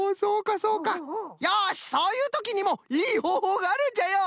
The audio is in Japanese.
よしそういうときにもいいほうほうがあるんじゃよ！